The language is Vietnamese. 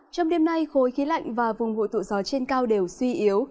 trong đêm nay khối khí lạnh và vùng hội tụ gió trên cao đều suy yếu